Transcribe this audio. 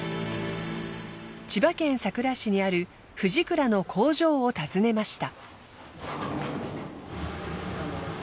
千葉県佐倉市にあるフジクラの工場を訪ねました。